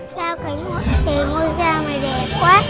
sao cái ngôi da này đẹp quá